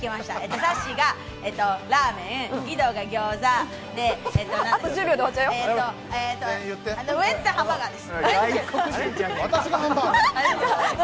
さっしーがラーメン、義堂が餃子、ウエンツさんはハンバーガーです。